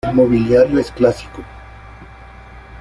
El mobiliario es clásico.